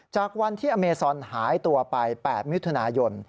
จากวันที่อเมซอนหายตัวไป๘มิถุนายน